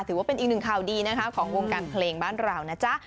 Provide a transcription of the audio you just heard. ถือว่าเป็นอีกหนึ่งข่าวดีนะคะของวงการเพลงบ้านเรานะจ๊ะ